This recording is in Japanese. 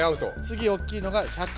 つぎ大きいのが１００円。